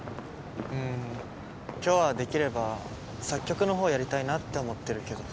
うん今日はできれば作曲の方やりたいなって思ってるけど。